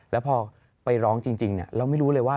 แล้วพอไปร้องจริงเนี่ย